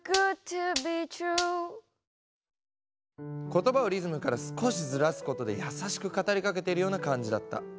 言葉をリズムから少しずらすことで優しく語りかけているような感じだった。